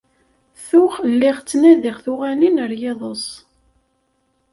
Tuɣ lliɣ ttnadiɣ tuɣalin ar yiḍes.